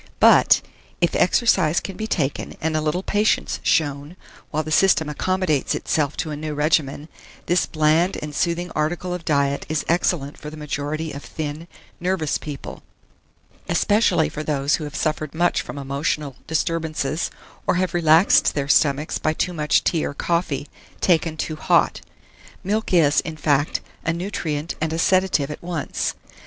But, if exercise can be taken and a little patience shown, while the system accommodates itself to a new regimen, this bland and soothing article of diet is excellent for the majority of thin, nervous people; especially for those who have suffered much from emotional disturbances, or have relaxed their stomachs by too much tea or coffee, taken too hot. Milk is, in fact, a nutrient and a sedative at once.